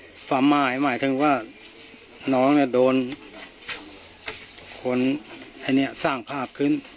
ความหมายหมายถึงว่าน้องเนี่ยโดนคนอันนี้สร้างภาพขึ้น